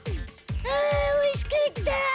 あおいしかった！